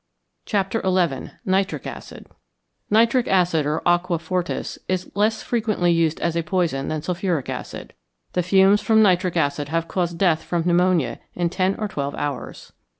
XI. NITRIC ACID =Nitric Acid=, or aqua fortis, is less frequently used as a poison than sulphuric acid. The fumes from nitric acid have caused death from pneumonia in ten or twelve hours.